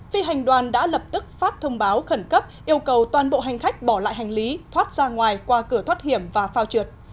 phi hành đoàn đã lập tức phát thông báo khẩn cấp yêu cầu toàn bộ hành khách bỏ lại hành lý thoát ra ngoài qua cửa thoát hiểm và phao trượt